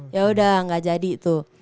yaudah gak jadi itu